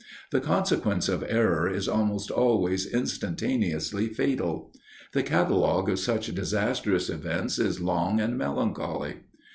The consequence of error is almost always instantaneously fatal. The catalogue of such disastrous events is long and melancholy.